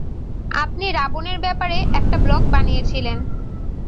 আপনি রাবণের ব্যাপারে একটা ব্লগ বানিয়েছিলেন।